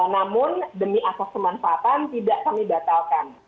namun demi atas pemanfaatan tidak kami batalkan